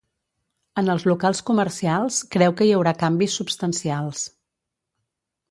En els locals comercials, creu que hi haurà canvis substancials.